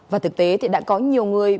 và thực tế thì đã có nhiều người